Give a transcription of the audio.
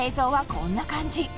こんな感じ